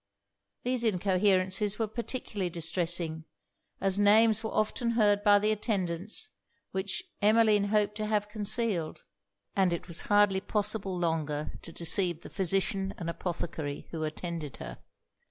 These incoherences were particularly distressing; as names were often heard by the attendants which Emmeline hoped to have concealed; and it was hardly possible longer to deceive the physician and apothecary who attended her.